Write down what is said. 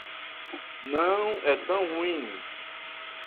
Não é tão ruim.